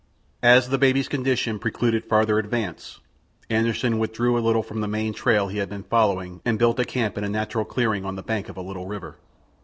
As the baby's condition precluded farther advance, Anderssen withdrew a little from the main trail he had been following and built a camp in a natural clearing on the bank of a little river.